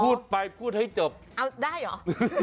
พูดไปพูดให้จบเอาได้เหรอ